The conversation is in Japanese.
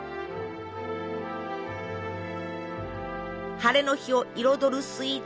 ハレの日を彩るスイーツ